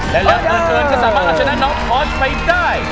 และแล้วเบอร์เตือนก็สามารถเอาชนะน้องฮอทไปได้